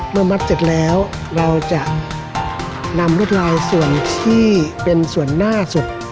มัดเสร็จแล้วเราจะนำรวดลายส่วนที่เป็นส่วนหน้าสุด